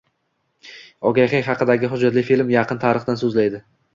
Ogahiy haqidagi hujjatli film yaqin tarixdan so‘zlaydi